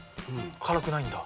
辛くないんだ。